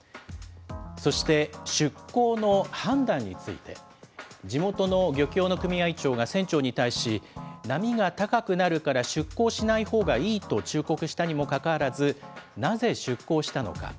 そして出港の判断について、地元の漁協の組合長が船長に対し、波が高くなるから出港しないほうがいいと忠告したにもかかわらず、なぜ出航したのか。